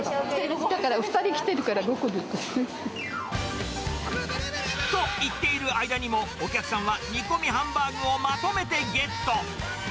ほら、だから２人来てるから５個と言っている間にも、お客さんは煮込みハンバーグをまとめてゲット。